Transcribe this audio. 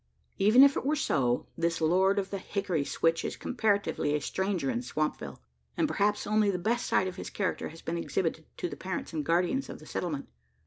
Even if it were so, this lord of the hickory switch is comparatively a stranger in Swampville; and, perhaps, only the best side of his character has been exhibited to the parents and guardians of the settlement.